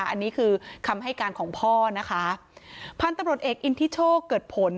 อันนี้คือคำให้การของพ่อนะคะพันธุ์ตำรวจเอกอินทิโชคเกิดผล